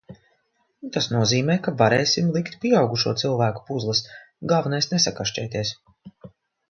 Tas nozīmē, ka varēsim likt pieaugušo cilvēku puzles, galvenais nesakašķēties.